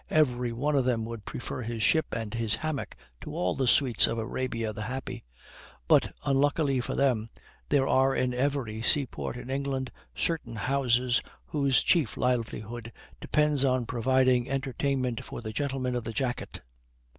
Every one of them would prefer his ship and his hammock to all the sweets of Arabia the Happy; but, unluckily for them, there are in every seaport in England certain houses whose chief livelihood depends on providing entertainment for the gentlemen of the jacket.